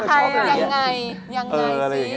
ตาด่ายียง